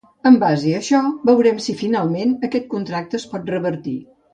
En base a això veurem si finalment aquest contracte es pot revertir.